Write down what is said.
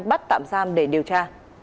bắt tạm giam để điều tra